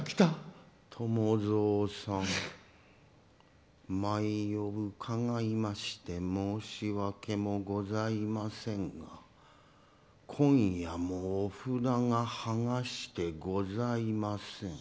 伴蔵さん、毎夜伺いまして申し訳もございませんが今夜もお札がはがしてございません。